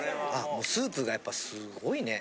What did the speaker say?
もうスープがやっぱりすごいね。